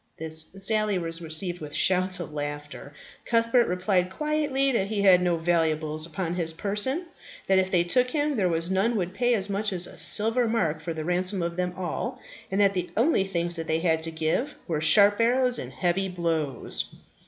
This sally was received with shouts of laughter. Cuthbert replied quietly that he had no valuables upon his person; that if they took him there were none would pay as much as a silver mark for the ransom of them all; and that the only things that they had to give were sharp arrows and heavy blows.